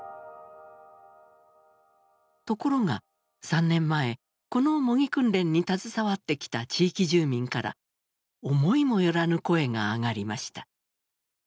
ところが３年前この模擬訓練に携わってきた地域住民から思いも寄らぬ声が上がりました。